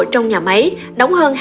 trong nhà máy đóng hơn hai tiên tiến